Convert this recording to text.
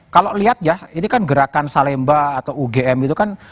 kalau lihat ya ini kan gerakan salemba atau ugm itu kan